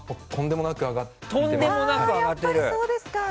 とんでもなく上がっています。